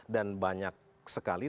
dan banyak sekali